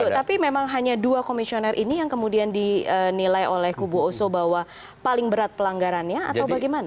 tapi memang hanya dua komisioner ini yang kemudian dinilai oleh kubu oso bahwa paling berat pelanggarannya atau bagaimana